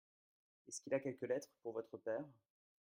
Est-ce qu'il a quelques lettres pour votre père ?